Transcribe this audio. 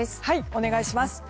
お願いします。